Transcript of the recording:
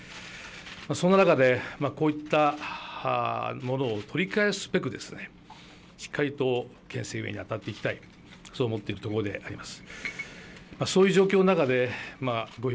そんな中でこういったものをしっかりと県政運営にあたっていきたい、そう思っているところであります。